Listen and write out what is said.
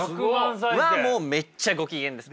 もうめっちゃご機嫌です。